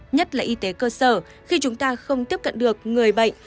nhất là y tế cơ sở khi chúng ta không tiếp cận được người bệnh